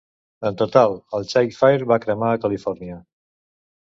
En total, el Chalk Fire var cremar a Califòrnia.